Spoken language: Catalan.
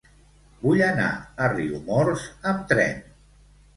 Vull anar a Riumors amb tren.